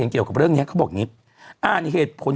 เห็นเกี่ยวกับเรื่องนี้เขาบอกอย่างงี้